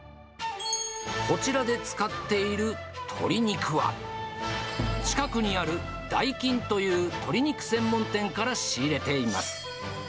こちらで使っている鶏肉は、近くにある大金という鳥肉専門店から仕入れています。